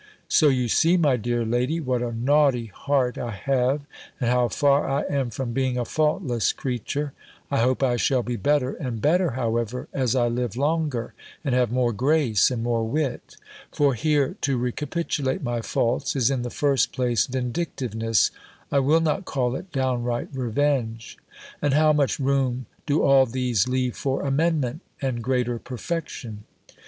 So you see, my dear lady, what a naughty heart I have, and how far I am from being a faultless creature I hope I shall be better and better, however, as I live longer, and have more grace, and more wit: for here to recapitulate my faults, is in the first place, vindictiveness, I will not call it downright revenge And how much room do all these leave for amendment, and greater perfection?